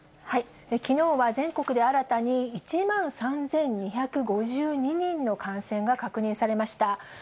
きのうは全国で新たに、１万３２５２人の感染が確認されました。